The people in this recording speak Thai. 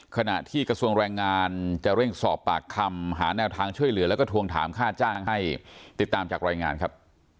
ขณะที่กระทรวงแรงงานจะเร่งสอบปากคำหาแนวทางช่วยเหลือแล้วก็ทวงถามค่าจ้างให้ติดตามจากรายงานครับ